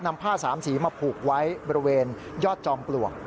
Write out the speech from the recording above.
นำผ้าสามสีมาผูกไว้บริเวณยอดจอมปลวก